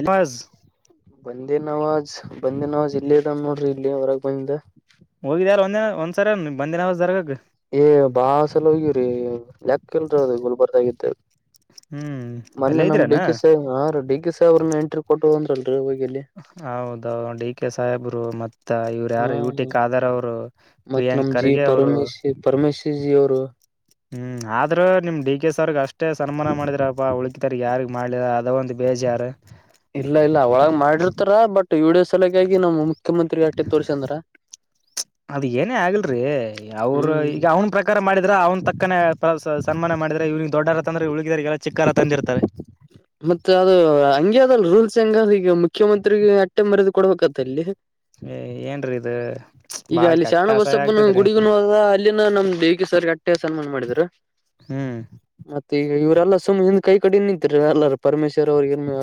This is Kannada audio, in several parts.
ಎಬಾಸ್ ಬಂದೀ ನವಾಜ್ ಬಂದೀ ನವಾಜ್ ಇಲ್ಲೇ ಇದಾನ್ ನೋಡ್ರಿ ಇಲ್ಲಿ ಹೊರಗ ಬಂದ ಹೋಗಿದೆರಾ ಒಂದಿನ ಒಂದ್ಸರೆನಾ ಬಂದಿ ನವಾಜ್ ದರ್ಗಾಕ ಏ ಬಾಳ ಸಲ ಹೋಗ್ಯವ್ರೀ ಲೆಕ್ಕ ಇಲ್ರಿ ಅದು ಗುಲ್ಬರ್ಗಾ ದಾಗ ಇದ್ದಾಗ ಹ್ಮ್ [inaudible] ಮನ್ನೆ ಅಲ್ಲೇ ನಮ್ ಡಿ ಇದ್ರನಾ ಕೆ ಸರ್ ಹಾ ರೀ ಡಿ ಕೆ ಸ ಅವ್ರನ್ ಎಂಟ್ರಿ ಕೊಟ್ಟು ಬಂದ್ರೆಲ್ ರಿ ಹೋಗೆಲ್ಲಿ ಹೌದು ಡಿ ಕೆ ಸಾಹೇಬ್ರು ಮತ್ ತ್ತ ಇವ್ರ ಯಾರು ಹಾ ಯು ಟಿ ಖಾದರ್ ಅವರು ಪ್ರಿಯಾಂಕ್ ಖರ್ಗೆ ಅವರು ಪರಮೇಶಿ ಜಿ ಅವರು ಹ್ಮ್ ಆದ್ರೂ ನಿಮ್ ಡಿ ಕೆ ಸರ್ಗ್ ಅಷ್ಟೇ ಸನ್ಮಾನ ಮಾಡಿದ್ರಪ್ಪಾ ಉಳಕಿದವರಗಿ ಯಾರಿಗ್ ಮಾಡ್ಲಿಲ್ಲ ಅದ ಒಂದ್ ಬೇಜಾರ ಇಲ್ಲಾ ಇಲ್ಲಾ ಒಳಗ್ ಮಾಡಿರ್ತಾರ ಬಟ್ ವಿಡಿಯೋ ಸಲಗಾಗಿ ನಮ್ ಮುಖ್ಯಮಂತ್ರಿ ಆಟ್ಟೆ ತೋರ್ಸಗ್ಯಾಂದಾರ ಅದ ಏನೇ ಆಗಲ್ರೀ ಅವ್ರು ಹ್ಮ್ ಈಗ ಅವ್ನ್ ಪ್ರಕಾರ ಮಾಡಿದ್ರ ಅವ್ನ್ ತಕ್ಕನೇ ಸ ಸ ಸನ್ಮಾನ ಮಾಡಿದ್ರ ಇವನಿಗೆ ದೊಡ್ಡ ಅಂದ್ರೆ ಉಳಿಕಿದವರಿಗೆ ಎಲ್ಲ ಚಿಕ್ಕ ಹಾರ ತಂದಿರ್ತಾರೆ ಮತ್ತೆ ಅದು ಹಂಗೆ ಅದ ರೂಲ್ಸ್ ಹಂಗ ಆದ ಈಗ ಮುಖ್ಯಮಂತ್ರಿರಿಗೆ ಅಟ್ಟೆ ಮರ್ಯಾದಿ ಕೊಡ್ಬೇಕತ್ತಲ್ಲೆ [inaudible] ಏನ್ರೀ ಇದು ಈಗ ಬಾಳ ಅಲ್ಲಿ ಕೆಟ್ಟ ಅಸಹ್ಯ ಶಾಣಬಸಪ್ಪನ ಆಗ್ತದ್ರಿ ಗುಡಿಗನು ಅದ ಅಲ್ಲಿನ ನಮ್ ಡಿ ಕೆ ಸರ್ ಗಟ್ಟ ಟ್ಟೆ ಸನ್ಮಾನ ಮಾಡಿದ್ರ ಹ್ಮ್ಹೂ. ಈಗ ಇವ್ರೆಲ್ಲ ಸುಮ್ ಹಿಂದ ಕೈ ಕಟ್ಗೆಂದ ನಿತಿಂದ್ರ ಇವ್ರ್ ಎಲ್ಲಾರು ಪರಮೇಶ್ವರ್ ಅವ್ರಿಗ ಇನ್ನೂ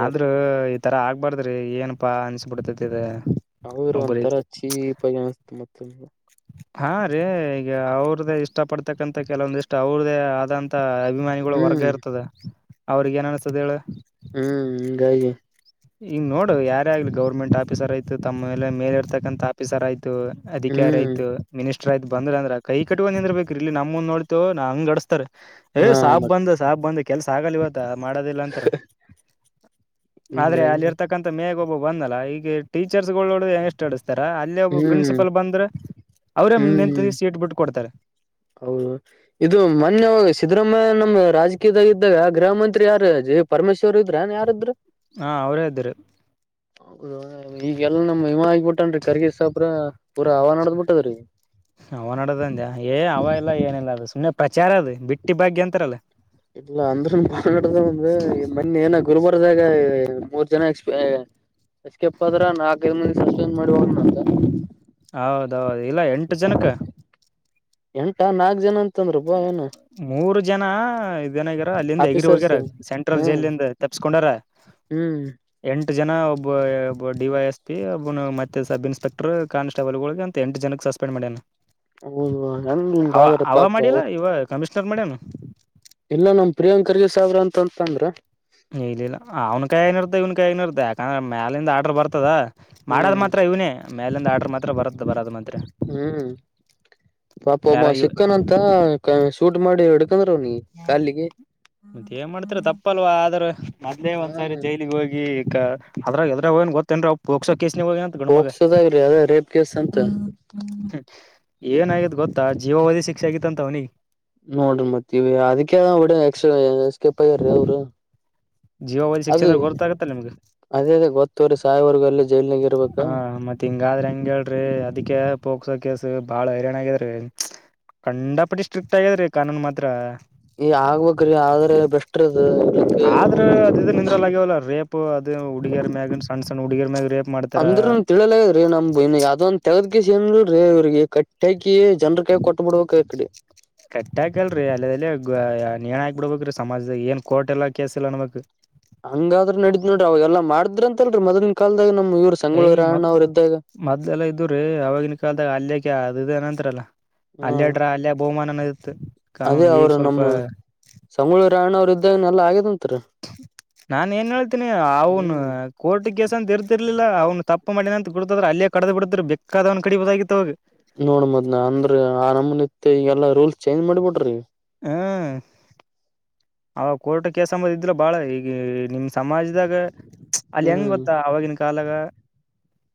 ಆದ್ರೂ ಈ ತರ ಆಗ್ಬಾರ್ದ್ರಿ ಏನಪಾ ಅನ್ಸಬಿಡ್ತತದ ಇದ ಹೌದರಿ ಒಬ್ಬರಿಗೆ ಒಂತರಾ ಚೀಪ ಆಗಿ ಅನಿಸ್ತ ಮತ್ತ ಅದು ಹಾ ರೀ ಈಗ ಅವ್ರ್ದೇ ಇಷ್ಟ ಪಡ್ತಕ್ಕಂತ ಕೆಲವೊಂದ ಇಷ್ಟ ಅವ್ರದ್ದೇ ಆದಂತ ತ್ತ ಅಭಿಮಾನಿಗಳು ವರ್ಗ ಹ್ಮ್ ಇರ್ತದೆ ಅವ್ರಗೆ ಏನ್ ಅನ್ಸತದೆ ಹೇಳ ಹ್ಮ್ ಗಾಗಿ ಹಿಂಗ್ ನೋಡು ಯಾರೇ ಆಗ್ಲಿ ಗೌರ್ಮೆಂಟ್ ಆಫೀಸರ್ ಆಯ್ತ ತಮ್ಮ ಎಲೆ ಮೇಲೆ ಇರ್ತಕ್ಕಂಥ ಆಫೀಸರ್ ಆಯ್ತು ಅಧಿಕಾರಿ ಹ್ಮ್ ಆಯ್ತ ಮಿನಿಸ್ಟರ್ ಆಯ್ತ ಬಂದ್ರಂದ್ರ ಕೈ ಕಟ್ಕೊಂಡ್ ನಿಂದ್ರ ಬೇಕ್ರಿ ಇಲ್ಲಿ ನಮ್ಮುಂದ್ ನೋಡ್ತ ನಾ ಹಂಗ್ ಅಡಿಸ್ತಾರೆ. ಏ ಹಾ ಸಾಬ್ ಮತ್ ಬಂದ ಸಾಬ್ ಬಂದ ಕೆಲ್ಸ ಆಗಲ್ಲ ಇವತ್ತ ಮಾಡೋದಿಲ್ಲ ಅಂತಾರ. [inaudible] ಆದ್ರೆ ಹಿಂಗಾಗಿ ಅಲ್ಲಿ ಇರ್ತಕ್ಕಂತ ಮೇಗ್ ಒಬ್ಬ ಬಂದಲ್ಲಾ ಈಗ ಟೀಚರ್ಸ್ ಗಳ್ ನೋಡುದ್ರೆ ಎಷ್ಟ್ ಅಡಸ್ತಾರ. ಇಲ್ಲಿ ಒಬ್ಬ ಹ್ಮ್ ಪ್ರಿನ್ಸಿಪಲ್ ಬಂದ್ರೆ ಅವ್ರೇ ನಿಂತ ಹ್ಮ್ ಸೀಟ್ ಬಿಟ್ಟು ಕೊಡ್ತಾರೆ. ಹೌದು ಇದು ಮಾನ್ಯವ ಸಿದ್ದರಾಮಯ್ಯ ನಮ್ ರಾಜಕೀಯದಾಗ ಇದ್ದಾಗ ಗೃಹ ಮಂತ್ರಿ ಯಾರ ಜೀಪ್ ಪರಮೇಶ್ವರ್ ಇದ್ರನ್ ಯಾರಿದ್ರು. ಹಾ ಅವ್ರೆ ಇದ್ರಿ. ಹೌದು ಈಗೆಲ್ಲ ನಮ್ ಹಿಮ ಆಗಿಬಿಟ್ಟೇನ್ರಿ ಕರ್ಗ ಸಾಪುರ ಪೂರ ಹವಾನಡ್ದ್ ಬಿಟ್ಟದ್ರಿ. ಅವ ನಡದಂದ ಏ ಅವ ಇಲ್ಲ ಏನಿಲ್ಲ ಅದು ಸುಮ್ಮನೆ ಪ್ರಚಾರ ಅದು ಬಿಟ್ಟಿ ಭಾಗ್ಯ ಅಂತರಲ್ಲ. ಇಲ್ಲ ಅಂದ್ರನ್ ಮಾನಾಡ ಒಂದ ಮನ್ನಿ ಏನ ಗುರುಬರ್ದಾಗ ಮೂರ್ ಜನ ಎಕ್ಸ್ಪೈರ್ ಆಗ್ಯಾರ್ ಏಸ್ ಕೆಪ್ ಅದ್ರ ನಾಲ್ಕೈದು ಮಂದಿ ಸಸ್ಪೆಂಡ್ ಮಾಡಿ ಹೋಗ್ಯನ ಅಂತ. ಹೌದೌದು ಇಲ್ಲ ಎಂಟು ಜನಕ್ಕ ಎಂಟಾ ನಾಲ್ಕು ಜನ ಅಂತಂದ್ರು ಪ ಅವ್ನ ಮೂರು ಜನ ಇದನಗ್ಯಾರ ಅಲ್ಲಿಂದ ಎಗರಿ ಆಫೀಸರ್ಸ್ ಹೋಗ್ಯಾರ ಸೆಂಟ್ರಲ್ ಹ್ಮ್ ಜೈಲಿಂದ ತಪ್ಸ್ಕೊಂಡಾರ. ಹ್ಮ್ ಎಂಟು ಜನ ಒಬ್ಬಬ್ ಡಿ ವೈ ಎಸ್ ಪಿ ಒಬ್ನು ಮತ್ತೆ ಸಬ್ ಇನ್ಸ್ಪೆಕ್ಟರ್ ಕಾನ್ಸ್ಟೇಬಲ್ ಗಳಗೆ ಅಂತ ಎಂಟು ಜನಕ್ಕೆ ಸಸ್ ಪೆಂಡ್ ಮಾಡ್ಯಾನ ಹೌದು ಅವ [unintelligible] ಅವ ಮಾಡಿಲ್ಲ ಇವ ಕಮಿಷ್ನರ್ ಮಾಡ್ಯನ ಇಲ್ಲೋ ನಮ್ ಪ್ರಿಯಾಂಕರ್ಗೆ ಸಾಬ್ರ ಅಂತಂತಂದ್ರು. ಇಲ್ಲಿಲ್ಲ ಅವ್ನ್ ಕೈನಾ ಇರುತ್ತೆ ಇವ್ನ್ ಕೈನಾಗಿನೂ ಇರ್ತ ಯಾಕಂದ್ರೆ ಮ್ಯಾಲಿಂದ ಆರ್ಡರ್ ಬರ್ತದ. ಮಾಡದ್ ಹ್ಮ್ ಮಾತ್ರ ಇವ್ನೇ ಮೇಲಿಂದ ಆರ್ಡರ್ ಮಾತ್ರ ಬರದ ಬರದ ಮಾತ್ರ. ಹ್ಮ್ ಪಾಪ ಯಾರ ಒಬ್ಬ ಇವ್ ಸಿಕ್ಕನ್ ಅಂತ ಶೂಟ್ ಮಾಡಿ ಹಿಡ್ಕಂದ್ರ್ ಅವ್ನಿಗೆ ಕಾಲಿಗೆ. ಮತ್ ಏನ್ ಮಾಡ್ತ್ರ ತಪ್ಪಲ್ವಾ ಆದ್ರ ಮೊದ್ಲೇ ಹ ಒಂದ್ಸಾರಿ ಜೈಲಿಗೆ ಹೋಗಿ ಕ ಅದಾಗ ಎದ್ರಾಗ್ ಹೋಗೇನ್ ಗೊತ್ತೇನ್ರಿ ಅವ್ ಪ್ರೊಕ್ಸೋ ಕೇಸಾಗ್ ಹೋಗ್ಯಾನಂತ ಗಣಮಗ. ಅದ ರಿ ಅದ ರೇಪ್ ಕೇಸ್ ಅನ್ [inaudible] ಹ್ಮ ಏನ ಆಗ್ಯದ್ ಗೊತ್ತಾ ಜೀವಾವಧಿ ಶಿಕ್ಷೆ ಆಗಿತ್ತಂತ ಅವ್ನಿಗ್ ನೋಡ್ರಿ ಮತ್ತವಿ ಅದಕ್ಕೆದ [unintelligible] ಎಸ್ ಎಸ್ಕಿಪ್ ಅಗ್ಯಾರಿ ಅವ್ರು ಜೀವಾವಧಿ ಅದ ಶಿಕ್ಷೆ ಅಂದ್ರೆ ಗೊತ್ತಾಗತ್ತಲ್ಲ ನಿಮ್ಗೆ ಅದೇ ಅದೇ ಗೊತ್ತುವರಿ ಸಾಯೋವರ್ಗ ಅಲ್ಲೇ ಜೈಲ್ನಾಗೆ ಇರ್ಬೇಕ. ತಿಂಗಾದ್ರ ಹಂಗ್ ಹೇಳ್ರಿ ಅದಿಕ್ಕೆ ಪೋಕ್ಸೋ ಕೇಸ್ ಬಾಳ ಹೈರಾಣ ಆಗ್ಯದ್ರಿ. ಕಂಡಪಟ್ಟಿ ಸ್ಟ್ರಿಕ್ಟ್ ಆಗ್ಯಾದ ರೀ ಕಾನೂನು ಮಾತ್ರ. ಈ ಆಗ್ಬೇಕ್ರಿ ಆದ್ರ ಬೆಸ್ಟ್ರದು. ಆದ್ರ ಅದ ನಿಂದ್ರಲ್ ಆಗ್ಯವಲ್ಲ ರೇಪ ಅದು ಹುಡುಗಿಯರ್ ಮ್ಯಾಗ ಸಣ್ಣ ಸಣ್ಣ ಹುಡುಗ್ಯರ್ ಮ್ಯಾಗ್ ರೇಪ್ ಮಾಡ್ತಾರ ಅಂದ್ರುನು ತಿಳಿಯಲಾಯ ಹೇ ನಮ್ದ್ ಇನ್ ಯಾವದೊಂದ ತಗದ್ಕೇಸಿನ್ ನೋಡ್ರಿ ಇವ್ರಿಗೆ ಕಟ್ಟಾಕಿ ಜನ್ರಕೈಗ್ ಕೊಟ್ ಬಿಡ್ಬೇಕ ಆ ಕಡಿ. ಕಟ್ಟ ಆಕಲ್ರಿ ಅಲ್ಲೆಲ್ಲಾ ನೇಣ್ ಹಾಕ್ಬಿಡ್ಬೇಕ್ರಿ ಸಮಾಜದಾಗ್ ಏನ್ ಕೋರ್ಟ್ ಎಲ್ಲ ಕೇಸ್ ಇಲ್ಲ ಅನ್ಬೇಕ್. ಹಂಗಾದ್ರ ನಡಿದ್ ನೋಡ್ರ ಅವಾಗಲ್ಲಾ ಮಾಡಿದ್ರ ಅಂತ ಅಲ್ರಿ ಮೊದಲಿನ್ ಕಾಲ್ದಾಗ್ ನಮ್ ಇವ್ರ್ ಏಯ್ ಮದ್ ಮೊದ್ಲೆಲ್ಲ ಇದ್ದವ್ರೀ ಆವಾಗಿನ ಕಾಲದಾಗ ಅಲ್ಯಕ ಅದು ಇದು ಏನೋ ನಂತ್ರಲ್ಲ. ಅಲ್ಲೇ ಹ್ಮ್ ಡ್ರಾ ಅಲ್ಲೇ ಬಹುಮಾನ ಅನ್ನದ್ ಇತ್ತು. ಅದೇ ಕಾನೂನು ಈಗ ಅವ್ರು ಸ್ವಲ್ಪ ನಮ್ಮ ಸಂಗೊಳ್ಳಿ ರಾಯಣ್ಣ ಅವ್ರು ಇದ್ದಾಗನ ಎಲ್ಲ ಆಗ್ಯಾದಂತ್ ನಾನ್ ಏನ್ ಹೇಳ್ತೀನಿ ಅವನು ಹ್ಮ್ ಕೋರ್ಟ ಕೇಸ ಅಂತ ಇರ್ತಿರ್ಲಿಲ್ಲ ಅವ್ನು ತಪ್ಪ ಮಾಡಿನ ಅಂತ ಗುರ್ತಾದ್ರ ಅಲ್ಲೇ ಕಡದ ಬಿಡತಿದ್ರು ಬೇಕಾದವ್ ಕಡಿಬೊದಾಗಿತ್ತವಾಗ. ನೋಡ್ ಮದ್ನ ಅಂದ್ರ ಆ ನಮನಿತ್ ಈಗಲ್ಲಾ ರೂಲ್ಸ್ ಚೇಂಜ್ ಮಾಡಿಬಿಟ್ಟಾರೀಗ. ಹ್ಮ ಅವಾಗ ಕೋರ್ಟ್ ಕೇಸ್ ಅಂಬದ್ ಇದ್ರ ಬಾಳ ಈಗ ನಿಮ್ ಸಮಾಜದಾಗ ಚ್ ಅಲ್ಲಿ ಹೆಂಗ್ ಹ್ಮ್ ಗೊತ್ತಾ ಆವಾಗಿನ್ ಕಾಲಗ.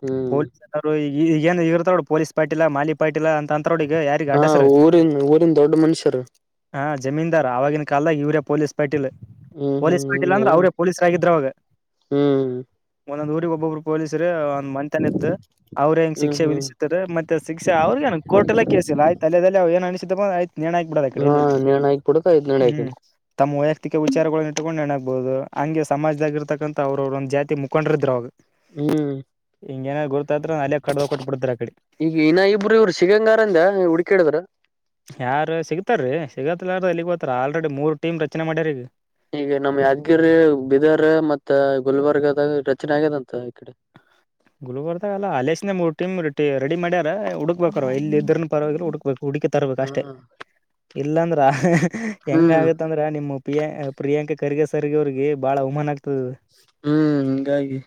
ಹ್ಮ್ ಪೋಲೀಸ್ ಎಲ್ಲರು ಈ ಏನ್ ಇರ್ತಾರೋಡ ಪೊಲೀಸ್ ಪಾಟೀಲ ಮಾಲಿ ಪಾಟೀಲ ಅಂತಮತರೋಡಿಗ ಯಾರ ಹಾಂ ಊರಿನ್ ಊರಿನ್ ದೊಡ್ಡ ಮನುಷ್ಯರು. ಹಾ ಜಮೀನ್ದಾರ್ ಆವಾಗಿನ ಕಾಲದಾಗ ಇವ್ರೇ ಪೊಲೀಸ್ ಪಾಟೀಲ್ ಹ್ಮ್ ಪೊಲೀಸ್ ಹ್ಮ್ ಪೀಟೀಲ್ ಹಿಂಗ ಅಂದ್ರ ಅವ್ರೇ ಪೊಲೀಸ್ರ ಆಗಿದ್ರ ಅವಾಗ ಹ್ಮ್ ಒಂದೊಂದ್ ಊರಿಗೆ ಒಬ್ಬೊಬ್ರು ಪೊಲೀಸರು. ಮಂತೆನ ಇತ್ತು ಅವ್ರ ಹೆಂಗ್ ಹ್ಮ್ ಶಿಕ್ಷೆ ಹ್ಮ್ ವಿಧಿಸ ತಾರ ಮತ್ತೆ ಶಿಕ್ಷೆ ಅವ್ರಗೇನು ಕೋರ್ಟಿಲ್ಲ ಕೇಸಿಲ್ಲ ಆಯ್ತ ಅಲಿದಲ್ಲೆ ಅವಗ ಏನ್ ಅಸಿದಪಾ ಆಯ್ತ ನೇಣ್ಹಾ ಬುಡದಕಡೆ ಹಾ ಎಲ್ಲೆ ನೇಣ ಆಕ್ ಬಿಡದ ಐದ್ ನಡೆ ಆ ಹ್ಮ್. ಕಡೆ ತಮ್ಮ ವೈಯಕ್ತಿಕ ವಿಚಾರಗುಳನ್ನ ಇಟ್ಕೊಂಡು ಏನಾಗ್ಬಹುದು ಹಂಗೆ ಸಮಾಜದಗಿರ್ತಕ್ಕಂಥ ಅವ್ರವ್ರು ಒಂದು ಜಾತಿ ಮುಖಂಡರಿದ್ರು ಅವಾಗ. ಹ್ಮ್ ಹಿಂಗ ಏನರ ಗುರ್ತಾದ್ರ ಅಲ್ಲೆ ಕಡ್ದ ಒಕಾಟ್ಬಿಡ್ತಿದ್ರು ಆ ಕಡೆ. ಈಗ ಇನ್ನ ಇಬ್ಬರು ಇವ್ರು ಸಿಗಂಗಾರಂದ್ಯಾ ಹುಡುಕ್ಯಾಡಿದರ. ಯಾರ ಸಿಗ್ತಾರ್ರೀ ಸಿಗತ್ತಲಾರ್ದ ಎಲ್ಲಿಗ್ ಹೋತಾರ ಆಲ್ರೆಡಿ ಮೂರ್ ಟೀಮ್ ರಚನೆ ಮಾಡ್ಯಾರ ಈಗ. ಈಗ ನಮ್ ಯಾದಗಿರಿ ಬಿದರ್ ಮತ್ತೆ ಗುಲ್ಬರ್ಗದಾಗ ರಚನೆ ಆಗ್ಯದಂತ ಈ ಕಡೆ. ಗುಲ್ಬರ್ಗಾದಲ್ಲ ಅಲೇಶನ ಮೂರು ಟೀಮ್ ರ ರೆಡಿ ಮಾಡ್ಯಾರ ಹುಕ್ಬೇಕಾರ ಇಲ್ಲಿ ಇದ್ರನ್ ಪರವಾಗಿಲ ಹುಡುಕ್ಬೇಕು ಹುಡ್ಕಿ ತರ್ಬೇಕು ಅಷ್ಟೇ ಹ್ಮ್ ಇಲ್ಲಾಂದ್ರ ಹೆಂಗ ಹ್ಮ್ ಹ್ಮ್ ಆಗತ್ತ ಅಂದ್ರ ನಿಮ್ಮ ಪ್ರಿಯಾ ಪ್ರಿಯಾಂಕ ಖರ್ಗೆ ಸರ್ಗ ಅವ್ರಿಗೆ ಬಾಳ ಅವಮಾನ ಆಗ್ತದ. ಹ್ಮ್ ಹಿಂಗಾಗಿ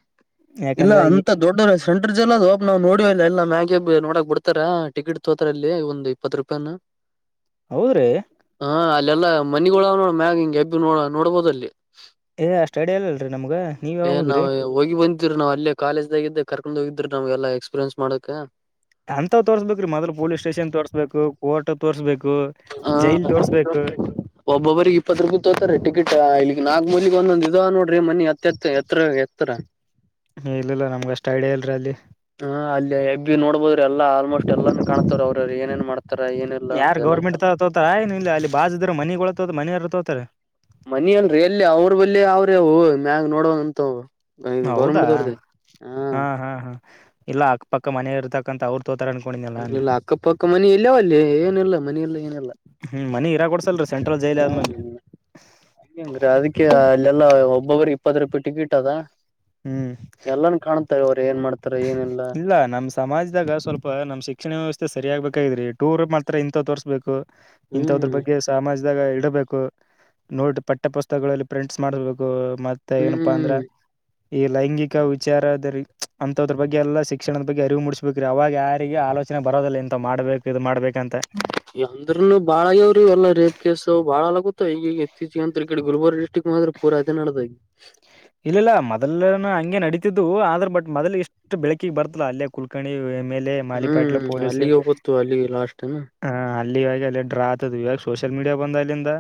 ಇಲ್ಲ ಯಾಕಂದ್ರ ಅ ಈ ತ ದೊಡ್ಡ ಸೆಂಟರ್ ಜೇಲ್ ಅದು ನಾವು ನೋಡವಿಲ ಎಲ್ಲ ಮ್ಯಾಗೆ ನೋಡಕ್ ಬಿಡ್ತಾರ ಟಿಕೆಟ್ ತೋತಾರ ಅಲ್ಲಿ ಒಂದ್ ಇಪ್ಪತ್ತ ರೂಪೆನ್ನ. ಹೌದ್ರೀ. ಹಾಂ ಅಲ್ಲೆಲ್ಲ ಮನಿಗಳ ಆವ ನೋಡ ಮ್ಯಾಗ ಹಿಂಗೆಬ್ಬಿ ನೋಡ ನೋಡ್ಬೋದಲ್ಲಿ. ಹೇ ಅಷ್ಟು ಐಡಿಯ ಇಲ್ಲಲ್ರಿ ನಮ್ಗ. ನೀವ್ ಏ ಯಾವಾಗ ಹೋಗಿರಿ ನಾವು ಹೋಗಿ ಬಂದಿದ್ದರೀ ನಾವ್ ಅಲ್ಲೇ ಕಾಲೇಜ್ದಾಗಿದ್ದ ಕರ್ಕೊಂಡ್ ಹೋಗಿದ್ರಿ ನಾವ್ಗೆಲ್ಲ ಎಕ್ಸ್ಪೀರಿಯನ್ಸ್ ಮಾಡಕ. ಹಂತವ್ ತೋರಸ್ಬೇಕು ರೀ ಮದಲ್ ಪೋಲೀಸ್ ಸ್ಟೇಷನ್ ತೋರ್ಸಬೇಕು ಕೋರ್ಟ್ ತೋರಸ್ಬೇಕ್ ಕು ಜೈಲ್ ತೋರ್ಸ್ಬೇಕು. ಒಬ್ಬೊಬ್ಬರಿಗೆ ಇಪ್ಪತ್ತು ರೂಪೆ ತೋರ್ತಾರೆ ಟಿಕೆಟ್ ಇಲ್ಲಿಗ್ ನಾಲ್ಕ್ ಮೂಲಿಗ್ ಒಂದೊಂದ್ ಇದವ ನೋಡ್ರಿ ಮನಿ ಎತ್ತ ಎತ್ತತ್ ಎತ್ತ ಎತ್ತರ. ಇಲ್ಲಿಲ್ಲ ನಮ್ಗೆ ಅಷ್ಟ್ ಐಡ್ಯಾ ಇಲ್ರಿ ಅಲ್ಲಿ. ಹಾಂ ಅಲ್ಲಿ ಎಬ್ಬಿ ನೋಡ್ಬೋದರಿ ಎಲ್ಲಾ ಆಲ್ಮೋಸ್ಟ್ ಎಲ್ಲಾನ ಕಾಣ್ತಾರ ಅವರು ರ ಏನೇನ್ ಮಾಡ್ತಾರ ಏನಿಲ್ಲ ಯಾರ್ ಅಂತ ಎಲ್ಲಾನು ಗೌರ್ಮೆಂಟ್ ಕಾ ತ ತೋತಾರ ಏನ್ ಇಲ್ಲ ಅಲ್ಲಿ ಬಾಜಿದ್ರ ಮನೆಗಳು ತೋತ ಮನಯರ ತೋತಾರ. ಮನಿ ಅಲ್ರಿ ಎಲ್ಲಿ ಅವ್ರ ಬಲ್ಲಿ ಆವ್ರಿ ಅವು ಮ್ಯಾಗ ನೋಡುವಂತವು. ಹೌದಾ ಹಂ ಹಾಂ ಹಾಂ ಇಲ್ಲ ಅಕ್ಕಪಕ್ಕ ಮನಿ ಇರ್ತಕ್ಕಂತ ಅವ್ರ ತೋತಾರ ಅನ್ಕೊಂಡಿದ್ಯಾ ನಾನ ಇಲ್ಲಿಲ್ಲ ಅಕ್ಕಪಕ್ಕ ಮನಿ ಎಲ್ಲಿಯವಲ್ಲಿ ಏನಿಲ್ಲ ಮನಿ ಇಲ್ಲ ಏನಿಲ್ಲ. ಹ್ಮ್ ಮನಿ ಇರಾಗೊಡ್ಸಲ್ರಿ ಸೆಂಟ್ರಲ್ ಜೈಲ್ ಆದಮೇಲಿ. ಹಿಂಗ್ರೀ ಅದಕ್ಕೆ ಅಲ್ಲೆಲ್ಲಾ ಒಬ್ಬೊಬ್ಬ್ರ ಇಪ್ಪತ್ರೂಪಾಯಿ ಟಿಕೆಟ್ ಅದ. ಹ್ಮ್ ಎಲ್ಲಾನು ಕಾಣತ್ತ ಅವರು ಏನ್ ಮಾಡ್ತ ಇಲ್ಲಾ ನಮ್ ಸಮಾಜದಾಗ ಸ್ವಲ್ಪ ನಮ್ ಶಿಕ್ಷಣ ವ್ಯವಸ್ಥೆ ಸರಿಯಾಗಗ್ಬೇಕಾಗಿದ್ರಿ ಟೂರ್ ಮಾಡ್ತಾರ ಇಂಥವ ತೋರ್ಸ್ಬೇಕು. ಇಂತದ್ರ ಹ್ಮ್ ಬಗ್ಗೆ. ಸಮಾಜದಾಗ ಇಡಬೇಕು ನೋಟ ಪಠ್ಯ ಪುಸ್ತಕಗಳಲ್ಲಿ ಪ್ರಿಂಟ್ಸ್ ಮಾಡಬೇಕು ಮ ಮತ್ತ ಏನಪ್ಪಾ ಅಂದ್ರ ಹ್ಮ್ ಈ ಲೈಂಗಿಕ ವಿಚಾರದಲ್ಲಿ ಅಂತದ್ರ ಬಗ್ಗೆ ಎಲ್ಲ ಶಿಕ್ಷಣದ ಬಗ್ಗೆ ಅರಿವು ಮೂಡಿಸ್ಬೇಕ್ರಿ ಅವಾಗ ಯಾರಿಗೆ ಆಲೋಚನೆ ಬರೋದಲ್ಲ ಇಂತವು ಮಾಡ್ಬೇಕು ಇದು ಮಾಡ್ಬೇಕಂತ ಅಂದ್ರಲ್ಲೂ ಬಾಳ ಆಗ್ಯಾವ್ರೀ ಎಲ್ಲ ರೇಪ್ ಕೇಸ ಬಾಳಗುತ್ತ ಈಗ ಈಗ ಇತ್ತೀಚ ಅಂದ ಈ ಕಡೆ ಗುಲ್ಬರ್ ಡಿಸ್ಟ್ರಿಕ್ ಮಾತ್ರ ಪುರ ಅದೇ ನಡ್ದೋಗೈತೆ ಇಲ್ಲಿಲ್ಲ ಮೊದಲನ ಹಂಗೆ ನಡೀತಿದ್ದು ಆದ್ರ ಬಟ್ ಮೊದಲ್ ಇಷ್ಟ ಅಷ್ಟು ಬೆಳಕಿಗ್ ಬರ್ತಲ್ಲಾ ಅಲ್ಲೇ ಕುಲ್ಕಣಿ ಮೇಲೆ ಹ್ಮ್ ಅಲ್ಲಿಗೆ ಹೋಗತ್ತು ಅಲ್ಲಿ ಲಾಸ್ಟ್ ನಾ ಹ ಅಲ್ಲಿ ಇವಾಗ ಅಲ್ಲಿ ಡ್ರಾ ಆತದು ಇವಾಗ ಸೋಷಿಯಲ್ ಮೀಡಿಯಾ ಬಂದ ಅಲ್ಲಿಂದ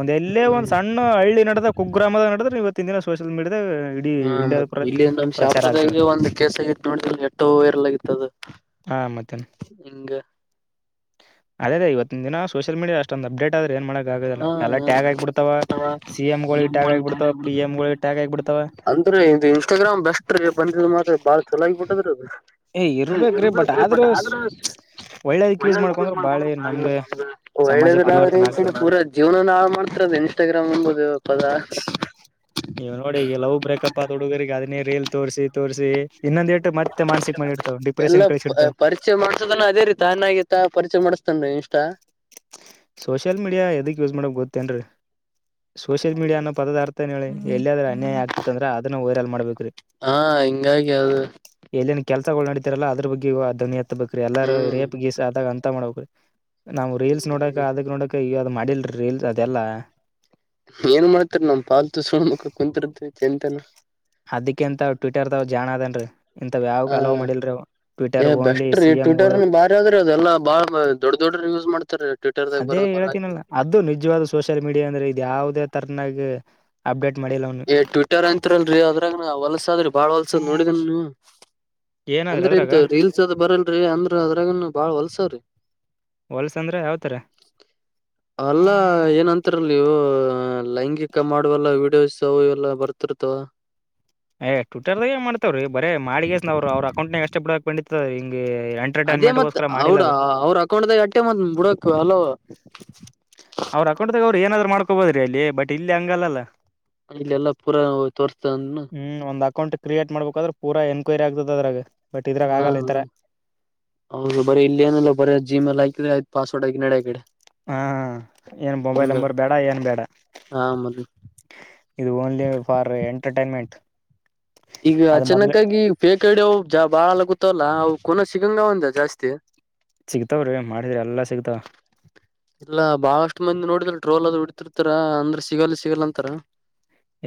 ಒಂದ ಎಲ್ಲೇ ಒಂದು ಹ್ಮ್ ಸಣ್ಣ ನನ್ನ ಹಳ್ಳಿ ನಡೆದ ಕುಗ್ರಾಮದ ನಡೆದ್ರ ಇವತ್ತಿನ ದಿನ ಸೋಷಿಯಲ್ ಮೀಡಿಯಾದ ಹಾ ಮತ್ತ ಇಲ್ಲಿ ನಮ್ ಶಹಪುರದಾಗ ಒಂದು ಕೆಸ ಆಗತ್ತು ನೋಡಿ ಎಷ್ಟೋ ವೈರಲ್ ಆಗಿತ್ತು ಅದು ಹಾ ಮತ್ತನ್ ಇಂಗ ಅದೇ ಅದೇ ಇವತ್ತಿನ್ ದಿನ ಸೋಷಲ್ ಮೀಡಾ ಅಷ್ಟೊಂದು ಅಡೇಟ್ ಆದ್ರ ಏನ್ ಮಾಡಕ್ಕೆ ಆದಲ್ಲ ಹಾ ಎಲ್ಲ ಟ್ಯಾಗ ಆಗಿಬ ಬಿಡ್ತಾವ ಹಾ ಸಿ ಎಂ ಗಳುಗ್ ಟ್ಯಾಗ ಆಗಿಬಿಡ್ತಾವ ಪಿ ಎಂ ಗಳಿಗಳು ಟಾಗ್ ಆಗಿಬಿಡ್ತಾವ ಅಂದ್ರೆ ಇದು ಇನ್ಸ್ಟಾಗ್ರಾಮ್ ಬೆಸ್ಟ್ ರೀ ಬಂದಿದ ಮಾತ್ರ ಬಾಳ ಚಲಾಗಿ ಬಿಟ್ಟದ್ರ ಅದು ಏ ಹ ಇರ್ಬೇಕ್ರೀ ಇಬೇಕ್ರೀ ಬಟ್ ಆದ್ರೂ ಆದ್ರ ಒಳ್ಳೇದಕ್ ಒಳ್ಳೆದುಕ್ಕೆ ಯೂಸ್ ಮಾಡ್ಕೊಂಡ್ರೆ ಬಾಳೆ ಮಾಡ್ಕೊಂಡ್ರ ನಮ್ಗೆ ಬಾಳ ಸಮಾಜ ಪರಿವರ್ತನೆ ಒಳ್ಳೇದ್ರ ಆಗ್ತದೆ ಪೂರ ಜೀವನ ನಾ ಮಾಡ್ತಿರದು ಇನ್ಸ್ಟಾಗ್ರಾಮ್ ಎಂಬುದು ಪದ ಇವ ನೋಡಿ ಈಗ ಲವ್ ಬ್ರೇಕಪ್ ಆದ ಹುಡುಗರ್ರಿಗೆ ಅದನ್ನೇ ರಿಲ್ ತೋರಿಸಿ ತೋರಿಸಿ ಇನ್ನೊಂದ ಎಂಟು ಮತ್ತೆ ಮ ಮಾನಸಿಕ ಮಾಡಿ ಇಡ್ತವ ಡಿಪ್ರೆಷನ್ ಎಲ್ಲಾ ಕಳಿಸಿ ಇಡ್ತವ ಪರಿಚಯ ಮಾಡಸದನ್ನ ಅದೇ ರೀತೀ ತಾನಾಗಿಯೇ ತಾನು ಪರಿಚಯ ಮಾಡಿಸ್ತಾನು ಇಷ್ಟ ಸೋಷಿಯಲ್ ಮೀಡಿಯಾ ಎದಕ್ ಯೂಸ್ ಮಾಡಕ್ ಗೊತ್ತೇನ್ರಿ ಸೋಷಿಯಲ್ ಮೀಡಿಯ ಅನ್ನೋ ಪದಾರ್ಥನ ಹೇಳಿ ಎಲ್ಲಿಯಾದ್ರೆ ಅನ್ಯಾಯ ಆಗ್ತಿತ್ತಂದ್ರ ಅದನ್ನ ವೈರಲ್ ಮಾಡ್ಬೇಕ್ರಿ ಹಾ ಹಿಂಗಾಗಿ ಅದು ಎಲ್ಲಿನ್ ಕೆಲ್ಸಗಳು ನಡತಿರಲ್ಲ ಅದ್ರ ಬಗ್ಗೆ ಧ್ವನಿ ಎತ್ತುಬೇಕ್ರಿ ಎಲ್ಲಾರ ಹ್ಮ್ ರೇಪ್ ಕೆಸ್ ಆದಾಗ ಅಂತ ಮಾಡಬೇಕ್ರಿ ನಾವು ರೀಲ್ಸ್ ನೋಡಕ ಹೀಗಾಗಿ ಅದಕ್ ನೋಡಕ ಈಗ ಅದ್ ಮಾಡಿಲ್ರಿ ರೀಲ್ಸ್ ಅದೆಲ್ಲ ಏನ್ ಮಾಡ್ತಾರ ನಮ್ ಪಾಲ್ ತು ಸುಣ ಮಕ್ಳು ಕುಂತರ್ತ್ತೆ ಚಿಂತನ [unintelligible] ಅದಕಂತ್ ಟ್ವಿಟರ್ದಾವ್ ಜಾಣನ್ ಅದನ್ರೀ ಇಂತಥ ಯಾವುಕೋ ಅಲೋ ಹ ಮಾಡಿಲ್ರಿ ಅವ ಟ್ವಿಟರ್ ಓನ್ಲಿ ಸಿಎಂಗಳು ದ್ರೆ ಅದೆಲ್ಲ ಬಾಳ ದೊಡ್ಡ ದೊಡ್ಡ್ರ ಯೂಸ್ ಮಾಡ್ತಾರೆ ಅದೇ ಹೇಳ್ತನಲ್ಲ ಅದು ನಿಜವಾದ ಸೋಷಿಯಲ್ ಮೀಡಿಯಾ ಅಂದ್ರೆ ಇದ ಯಾವ್ದೇ ತರ್ನಾಗ ಅಪ್ಡೇಟ್ ಮಾಡಿಲ್ಲ ಅವನು ಏ ಟ್ವಿಟರ್ ಅಂತಿಲ್ರಿ ಅದ್ರಾಗ ನ ಹೊಲ್ಸದ್ರಿ ಬಾಳ್ ಹೊಲ್ಸದ್ ನೋಡಿದನ್ ನೀವು ಏನಾದ್ರ ಅಂದ್ರ ಅದ್ರ ರೀಲ್ಸ್ ಅದ್ ಬರಲ್ರಿ ಅಂದ್ರ ಅದ್ರನು ಬಾಳ ಹೊಲ್ಸ್ರೀ ಹೊಲ್ಸ ಅಂದ್ರೆ ಯಾವತರ ಅಲ್ಲಾ ಏನಂತರ ನೀವು ಲೈಂಗಿಕ ಮಾಡುವಲ್ಲ ವೀಡಿಯೋಸ್ ವು ಎಲ್ಲ ಬರ್ತಿರ್ತವ ಏ ಟ್ವಿಟ್ಟರ್ ದಾಗ ಏ ಮಾಡ್ತವ್ರೀ ಬರೀ ಮಾಡಿಗೇಶಸ್ನವ್ರು ಅವ್ರ ಅಕೌಂಟ್ನ ಅಷ್ಟ ಬಿಡಕ್ಕಿತ್ತ ಹಿಂಗಂಟ [unintelligible] ಅದೇ ಮತ್ ಅವಡ ಅವ್ರ ಅಕೌಂಟ್ದಾಗ ಅಟ್ಟೆ ಮ ಬಿಡಕ್ ಅಲೋ ಅವ್ರ ಅಕೌಂಟದ ಅವ್ರು ಏನಾದ್ ಮಾಡ್ಕೋಬೋದೀರಿ ಅಲ್ಲಿ ಬಟ್ ಇಲ್ಲಿ ಹಂಗಲ್ಲ ಇಲ್ಲಲ್ಲಾ ಪೂರಾ ತೋರ್ಸ್ತ ಅಂದ್ನ ಹ್ಮ್ ಒಂದು ಅಕೌಂಟ್ ಕ್ರಿಯೇಟ್ ಮಾಡಬೇಕಾದ್ರೆ ಪೂರ ಎನ್ಕ್ವೈರಿ ಆಗ್ತದ ಅದ್ರಾಗ ಬಟ್ ಇದ್ರಾಗ ಹಾ ಆಗಲ್ಲ ಈ ಹಾ ತರ ಹೌದು ಬರಿ ಇಲ್ಲಿೇನಲ್ಲ ಬರಿ ಜಿಮೇಲ್ ಹಾಕಿದ್ರೆ ಪಾಸ್ವರ್ಡ್ ಹಾಕಿದ್ರೆ ನಡೆಯಾಕಡೆ ಹಾ ಏನ್ ಮೊಬೈಲ್ ನಂಬರ್ ಬೇಡ ಏನ್ ಬೇಡ ಹ ಮದ ಇದು ಓನ್ಲಿ ಫಾರ್ ಎಂಟರ್ಟೈನ್ಮೆಂಟ್. ಈಗ ಅ ಅದ್ ಮೊದ್ಲೆ ಚಿನ್ನಕ್ಕಾಗಿ ಫೇಕ್ ಐಡಿ ಅವು ಭಾಳಾಗ್ಲಕುಂತಾವಲಾ ಅವು ಕೂನ ಸಿಗಂಗ ಅವ ಅಂದ ಜಾಸ್ತಿ. ಸಿಗ್ತಾವ್ರೀ ಮಾಡಿದ್ರಿ ಎಲ್ಲಾ ಸಿಗ್ತಾವ. ಇಲ್ಲಾ ಬಾಳಷ್ಟು ಮಂದಿ ನೋಡಿದ್ರ ಟ್ರೋಲ್ ಅದು ಬಿಡ್ತಿರ್ತಾರ ಅಂದ್ರ ಸಿಗಲ್ಲ ಸಿಗಲ್ಲ ಅಂತಾರ.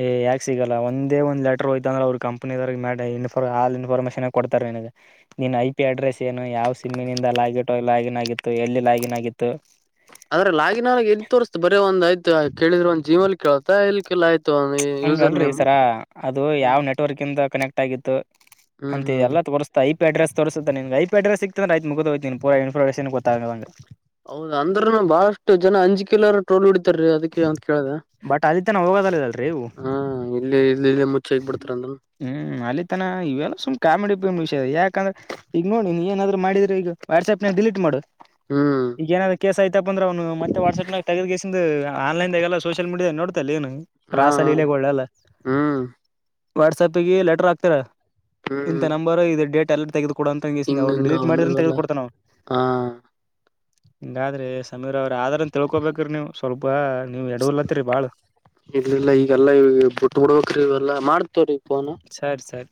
ಏ ಯಾಕ ಸಿಗಲ್ಲ ಒಂದೇ ಒಂದು ಲೆಟರ್ ಹೋಯ್ತ ಅಂದ್ರ ಅವ್ರರು ಕಂಪನಿದವರ್ ಇ ಆಲ್ ಇನ್ಫಾರ್ಮೇಶನ್ ಕೊಡ್ತಾರ ನಿನಗ. ನಿನ್ ಐ ಪಿ ಅಡ್ರೆಸ್ ಏನು ಯಾವ್ ಸಿಮ್ಮಿನಿಂದ ಲಾಗಿಟೋ ಲಾಗಿನ್ ಆಗಿತ್ತು ಎಲ್ಲಿ ಲಾಗಿನ್ ಆಗಿತ್ತು ಆದ್ರ ಲಾಗಿನಾಗಿ ಎಲ್ಲಿ ತೋರಸ್ತ ಬರೇ ಒಂದ್ ಆಯ್ತು ಕೇಳಿದ್ರ ಒಂದ ಜೀಮೇಲ್ ಕೇಳತ ಇಲ್ಲಿ ಕಿಲ್ಲಾ ಆಯ್ತು. ಯೂಸರ್ ಹಂಗಲ್ರಿ ನೇಮ್ ಸರಾ ಅದು ಹ್ಮ್ ಯಾವ್ ನೆಟ್ವರ್ಕ್ ಇಂದ ಕನೆಕ್ಟ್ ಆಗಿತ್ತು ಹ್ಮ್ ಅಂತೆ ಹ್ಮ್ ಎಲ್ಲ ತೋರುಸ್ ಐ ಪಿ ಅಡ್ರಸ್ ತೋರಿಸುತ್ತೆ ನಿನಗ ಐಪಿ ಅಡ್ರೆಸ್ ಸಿಕ್ತಂದ್ರ ಅಯ್ತು ಮುಗುದು ಹೋಯ್ತು ನೀನ್ ಪೂರ ಇನ್ಫಾರ್ಮೇನ್ ಗೊತ್ತಗ್ದಂಗ. ಹೌದ ಅಂದ್ರೂನು ಬಹಳಷ್ಟು ಜನ ಅಂಜಿಕಿಲ್ಲರಾ ಟ್ರೋಲ್ ಹೊಡೀತಾರ ರಿ ಅದಕ್ಕೆ ಅಂತ ಕೇಳದ. [unintelligible] ರಿ ಹಾ ಇಲ್ಲಿ ಇಲ್ಲಿ ಇಲ್ಲಿ ಮುಚ್ಚೆ ಹಗ್ ಬಿಡ್ತಾರಂತ ಹ್ಮ್ ಅಲ್ಲಿತನ ಇವೆಲ್ಲ ಸುಮ್ ಕಾಮಿಡಿ ಪಿಮಿಡಿ ವಿಷಯ ಯಾಕಂದ್ರೆ ಈಗ ನೋಡಿ ನೀ ಏನಾದ್ರು ಮಾಡಿದ್ರೆ ಈಗ ವಾಟ್ಸ್ಯಾಪ್ ನಗ ಡಿಲಿಟ್ ಮಾಡು. ಹ್ಮ ಈಗೇನಾದ್ರ ಕೇಸ್ ಆಯ್ತಾಪ್ಪಂದ್ರ ಅಂದ್ರೆ ಅವನು ಮತ್ತೆ ವಟ್ಸಆಪ್ನಾಗ ತೆಗಿದ ಕೇಸ್ಯಿಂದ ಆನ್ಲೈನ್ದಾಗೆಲ್ಲ ಸೋಷಿಯಲ್ ಮೀಡಿಯಾದ ನೋಡ್ತಲ್ಲ ನೀನು ಹಾ ರಾಸಲ್ಲಿಲ್ಲೇಗಳ್ಳೆಲ್ಲ. ಹ್ಮ್ ವಾಟ್ಸಪ್ಗೆ ಲೆಟರ್ ಹಾಕ್ತರ ಇಂತ ಹ್ಮ್ ನಂಬರ್ ಇದು ಡೇಟ್ ಎಲ್ಲ ತೆಗದು ಕೊಡ ಅಂತಂಗಿಸ ಹಿಂಗ ಅವ್ರು ಹಿಂಗ ಡಿಲೀಟ್ ಮಾಡಿದ್ರುನು ಅವನ್ನಿವೆಲ್ಲ ತಗೆದು ಕೊಡ್ತಾನ ಅವ. ಹಾ ಬ್ಯಾಡ್ರಿ ಸಮೀರ್ ಅವ್ರ ಆದ್ರೂನು ತಿಳ್ಕೊಬೇಕ್ರ ನೀವು ಸ್ವಲ್ಪ್ ಪಾ ನೀವು ಎಡವರ್ತ್ರಿ ಬಾಳ. ಇರ್ಲಿಲ್ಲ ಈಗಲ್ಲ ಬಿಟ್ಟ ಬಿಡ್ಬೇಕ್ರ ಇವೆಲ್ಲ ಎಲ್ಲಾ ಮಾಡ್ತಾಡ್ರಿ ಪೋನ್. ಸರಿ ಸರಿ.